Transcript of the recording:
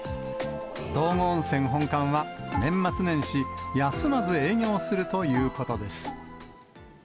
道後温泉本館は、年末年始、休まず営業するということです。